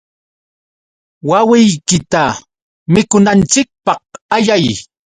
Wawiykita mikunanchikpaq ayay.